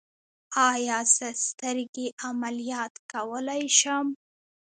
ایا زه سترګې عملیات کولی شم؟